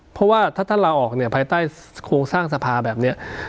เพราะว่าถ้าท่านลาออกเนี่ยภายใต้โครงสร้างสภาแบบนี้